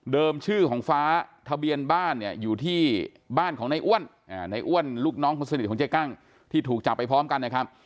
ชื่อของฟ้าทะเบียนบ้านเนี่ยอยู่ที่บ้านของในอ้วนในอ้วนลูกน้องคนสนิทของเจ๊กั้งที่ถูกจับไปพร้อมกันนะครับ